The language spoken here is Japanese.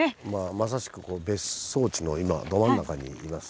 まさしく別荘地の今ど真ん中にいます。